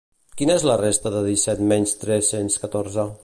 Quina és la resta de disset menys tres-cents catorze?